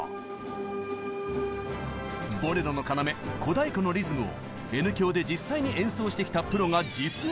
「ボレロ」の要小太鼓のリズムをＮ響で実際に演奏してきたプロが実演！